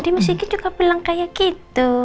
tadi miss kiki juga bilang kayak gitu